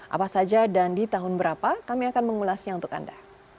apa saja dan di tahun berapa kami akan mengulasnya untuk anda